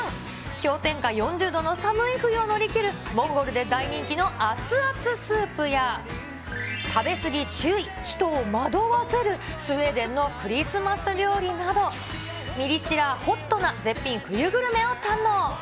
氷点下４０度の寒い冬を乗り切る、モンゴルで大人気の熱々スープや、食べすぎ注意、人を惑わせるスウェーデンのクリスマス料理など、ミリ知らＨＯＴな絶品冬グルメを堪能。